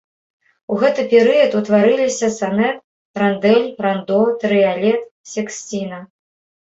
У гэты перыяд утварыліся санет, рандэль, рандо, трыялет, сексціна.